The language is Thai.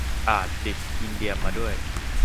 อาจติดอินเดียมาด้วย